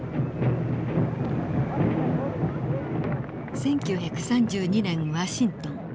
１９３２年ワシントン。